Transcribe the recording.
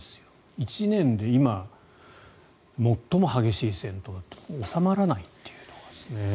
１年で今、最も激しい戦闘で収まらないというところですね。